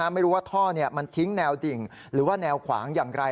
ไม่รู้ว่าท่อมันทิ้งแนวดิ่งหรือว่าแนวขวางอย่างไร